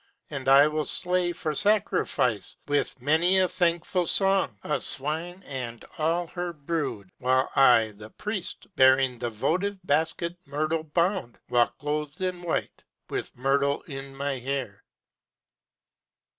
and I will slay For sacrifice, with many a thankful song, A swine and all her brood, while I, the priest, Bearing the votive basket myrtle bound, Walk clothed in white, with myrtle in my hair.